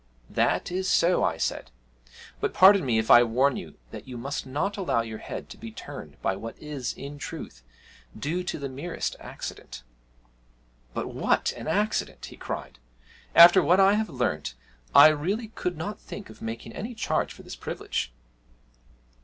'That is so,' I said, 'but pardon me if I warn you that you must not allow your head to be turned by what is, in truth, due to the merest accident.' 'But what an accident!' he cried; 'after what I have learnt I really could not think of making any charge for this privilege!'